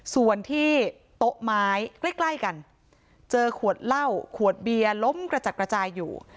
ส่วนที่โต๊ะไม้ใกล้กันเจอขวดเหล้าขวดเบียร์ล้มกระจัดกระจายอยู่